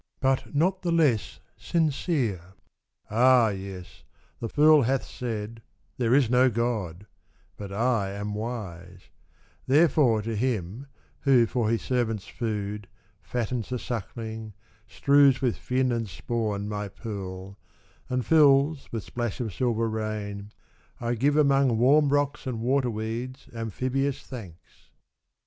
But not the less sincere. Ah, yes, the fool Hath said " There is no God," but I am wise; Therefore to Him, who for His servant's food Fattens the suckling, strews with fin and spawn My pool, and fills with splash of silver rain, I give among warm rocks and waterweeds Amphibious thanks."